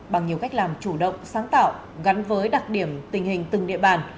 bằng nhiều cách làm chủ động sáng tạo gắn với đặc điểm tình hình từng địa bàn